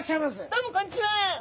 どうもこんにちは！